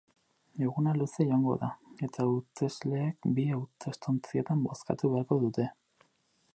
Eguna luze joango da, eta hautesleek bi hautestontzitan bozkatu beharko dute.